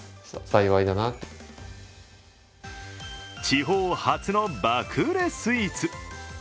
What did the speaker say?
地方発の爆売れスイーツ。